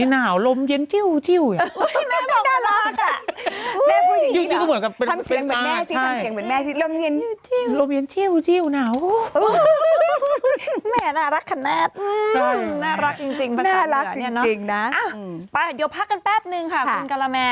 น่ารักจริงประสาทเหรอเนี่ยเนี่ยเนอะอ้าวไปเดี๋ยวพักกันแป๊บหนึ่งค่ะคุณกะละแม